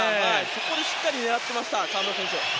そこをしっかり狙っていました河村選手。